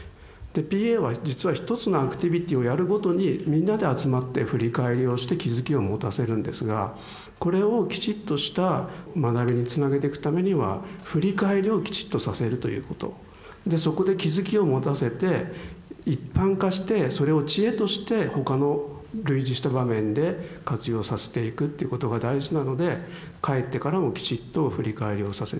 でＰＡは実は一つのアクティビティーをやるごとにみんなで集まって振り返りをして気付きを持たせるんですがこれをきちっとした学びにつなげていくためには振り返りをきちっとさせるということでそこで気付きを持たせて一般化してそれを知恵として他の類似した場面で活用させていくっていうことが大事なので帰ってからもきちっと振り返りをさせていくわけですね。